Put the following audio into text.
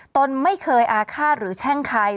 ตนไม่เคยอาฆาตหรือแช่งใคร